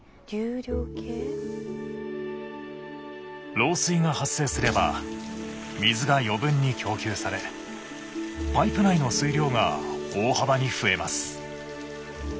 漏水が発生すれば水が余分に供給されパイプ内の水量が大幅に増えます。